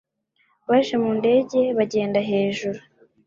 Baje mu ndege bagenda hejuru